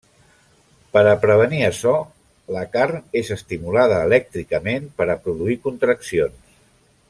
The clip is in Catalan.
Per a prevenir açò la carn és estimulada elèctricament per a produir contraccions.